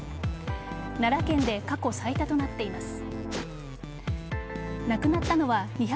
奈良県で過去最多となっています。